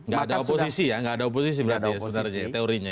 gak ada oposisi ya nggak ada oposisi berarti ya sebenarnya teorinya